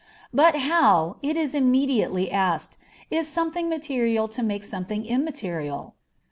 But how, it is immediately asked, is something material to make something immaterial?